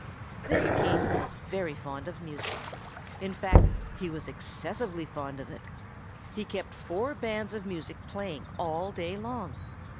This King was very fond of music; in fact, he was excessively fond of it. He kept four bands of music playing all day long.